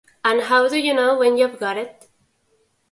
And How Do You Know When You've "Got" It?